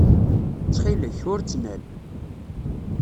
Ttxil-k, ur ttnal.